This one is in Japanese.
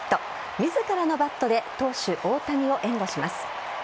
自らのバットで投手・大谷を援護します。